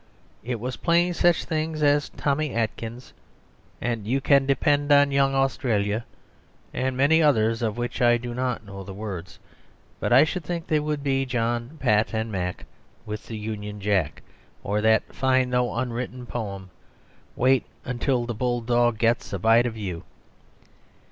It was playing such things as "Tommy Atkins" and "You Can Depend on Young Australia," and many others of which I do not know the words, but I should think they would be "John, Pat, and Mac, With the Union Jack," or that fine though unwritten poem, "Wait till the Bull Dog gets a bite of you."